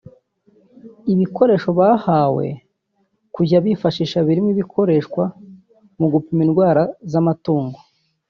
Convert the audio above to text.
Ibikoresho bahawe kujya bifashisha birimo ibikoreshwa mu gupima indwara z’amatungo